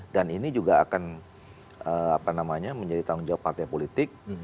dan ini juga akan menjadi tanggung jawab partai politik